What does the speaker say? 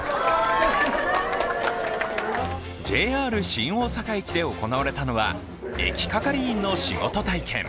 ＪＲ新大阪駅で行われたのは駅係員の仕事体験。